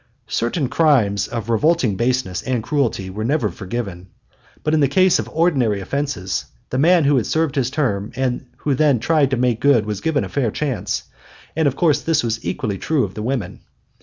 Certain crimes of revolting baseness and cruelty were never forgiven. But in the case of ordinary offenses, the man who had served his term and who then tried to make good was given a fair chance; and of course this was equally true of the women.